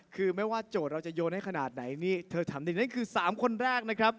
คือไม่ว่าโจทย์เรายนลงให้ขนาดไหนเธอถามจริงนั้นคือ๓คนแรกนะครับ